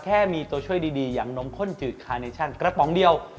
แค่มีตัวช่วยดีอย่างนมข้นจืดคาเนชั่นกระป๋องเดียว